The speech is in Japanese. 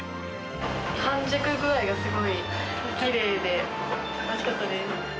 半熟具合がすごいきれいで、おいしかったです。